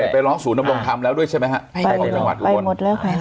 ไปร้องสูญนำดงทำแล้วด้วยใช่ไหมฮะ